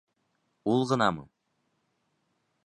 Ул ғынамы?!